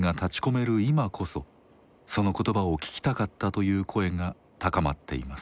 今こそその言葉を聞きたかったという声が高まっています。